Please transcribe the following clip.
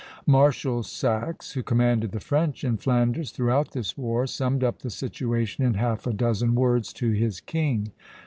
Marshal Saxe, who commanded the French in Flanders throughout this war, summed up the situation in half a dozen words to his king.